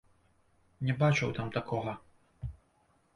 Не бачыў там такога.